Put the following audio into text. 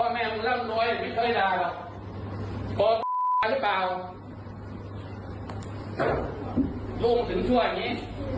มึงถึงชั่วอย่างนี้